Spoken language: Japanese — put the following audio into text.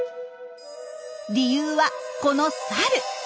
理由はこのサル。